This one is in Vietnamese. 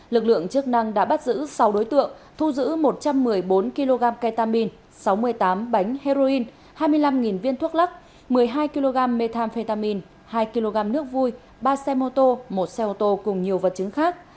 lực lượng chức năng đã bắt giữ sáu đối tượng thu giữ một trăm một mươi bốn kg ketamine sáu mươi tám bánh heroin hai mươi năm viên thuốc lắc một mươi hai kg methamphetamine hai kg nước vui ba xe mô tô một xe ô tô cùng nhiều vật chứng khác